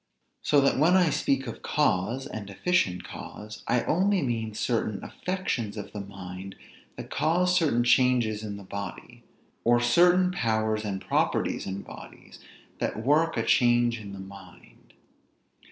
So that when I speak of cause, and efficient cause, I only mean certain affections of the mind, that cause certain changes in the body; or certain powers and properties in bodies, that work a change in the mind.